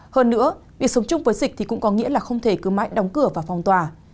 hơn nữa việc sống chung với dịch thì cũng có nghĩa là không thể cứ mãi đóng cửa và phong tỏa